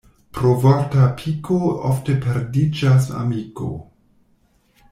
Pro vorta piko ofte perdiĝas amiko.